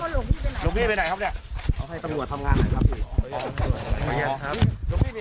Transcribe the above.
หลวงพี่หลวงพี่ไปไหนครับเนี่ยเขาให้ตรวจทำงานอ่ะครับพี่